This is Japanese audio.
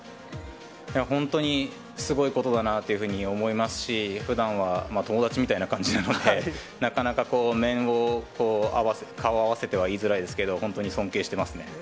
本当にすごいことだなっていうふうに思いますし、ふだんは友達みたいな感じなので、なかなかこう、面を、顔を合わせては言いづらいですけど、本当に尊敬してますね。